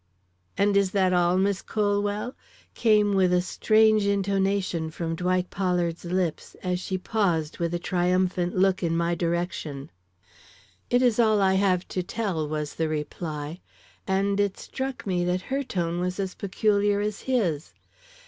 "And is that all, Miss Colwell?" came with a strange intonation from Dwight Pollard's lips, as she paused, with a triumphant look in my direction. "It is all I have to tell," was the reply; and it struck me that her tone was as peculiar as his.